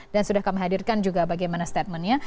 dan sudah kami hadirkan juga bagaimana statementnya